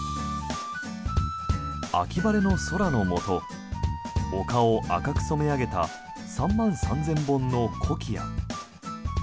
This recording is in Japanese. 秋晴れの空のもと丘を赤く染め上げた３万３０００本のコキア。